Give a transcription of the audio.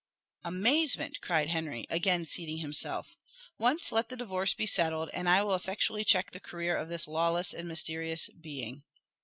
"Amazement!" cried Henry, again seating himself; "once let the divorce be settled, and I will effectually check the career of this lawless and mysterious being."